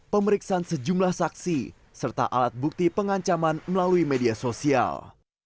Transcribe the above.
pemeriksaan sejumlah saksi serta alat bukti pengancaman melalui media sosial